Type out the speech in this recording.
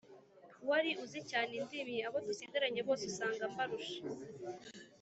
wari uzi cyane indimi Abo dusigaranye bose usanga mbarusha